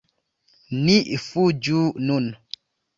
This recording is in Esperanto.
Ni fuĝu nun!